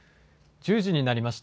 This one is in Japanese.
１０時になりました。